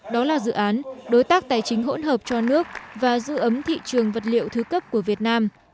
đó là dự án đối tác tài chính hỗn hợp cho nước và giữ ấm thị trường vật liệu thứ cấp của việt nam